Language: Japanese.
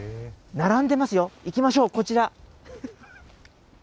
並んでますよ、行きましょう、こちら。